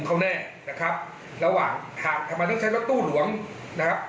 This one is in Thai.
เขาแน่นะครับระหว่างหากทำไมต้องใช้รถตู้หลวงนะครับ